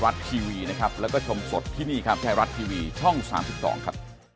ทีวีนะครับแล้วก็ชมสดที่นี่ครับไทยรัฐทีวีช่อง๓๒ครับ